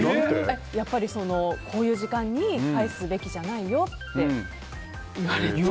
やっぱり、こういう時間に返すべきじゃないよって言われて。